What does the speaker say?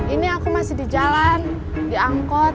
ini aku masih di jalan diangkut